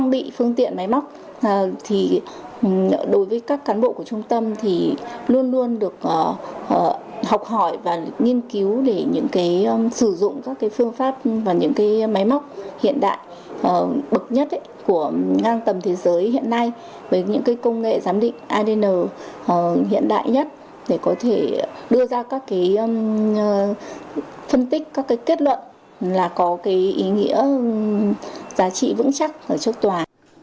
do cái kết luận là có cái ý nghĩa giá trị vững chắc ở trước tòa